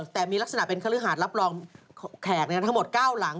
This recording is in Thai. แต่มีลักษณะเป็นคฤหาดรับรองแขกทั้งหมด๙หลัง